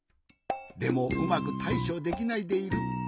でもうまくたいしょできないでいる。